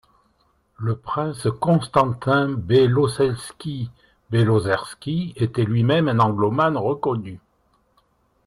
Le prince Constantin Belosselski-Belozerski était lui-même un anglomane reconnu.